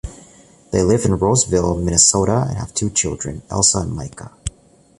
They live in Roseville, Minnesota, and have two children, Elsa and Micah.